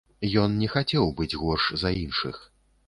Ён не хацеў быць горш за іншых.